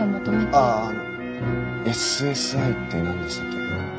ああＳＳＩって何でしたっけ？